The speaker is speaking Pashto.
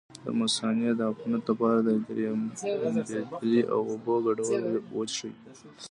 د مثانې د عفونت لپاره د کرینبیري او اوبو ګډول وڅښئ